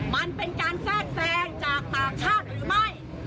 มันเป็นการแทรกแทรงจากต่างชาติหรือไม่